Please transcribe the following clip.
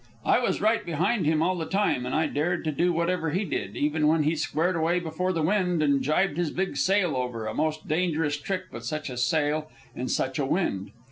I was right behind him all the time, and I dared to do whatever he did, even when he squared away before the wind and jibed his big sail over a most dangerous trick with such a sail in such a wind.